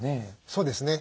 そうですね。